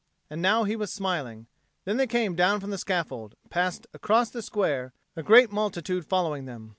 And now he was smiling. Then they came down from the scaffold and passed across the square, a great multitude following them.